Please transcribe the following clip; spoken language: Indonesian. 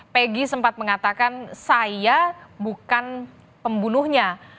peggy sempat mengatakan saya bukan pembunuhnya